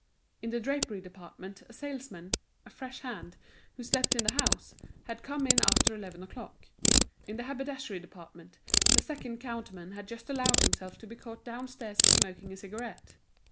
In the drapery department a salesman, a fresh hand, who slept in the house, had come in after eleven o'clock; in the haberdashery department, the second counterman had just allowed himself to be caught downstairs smoking a cigarette.